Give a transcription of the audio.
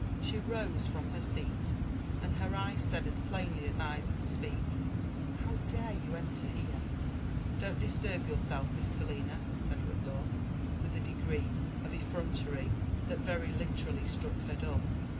'' SHhq rose from her seat, and her eyes said as plainly as eyes could speak, How dare you enter here^" *' Don't disturb yourself, Miss Selina," said Whitlaw, with a degree of effrontcryJhat very literally struck her dumb.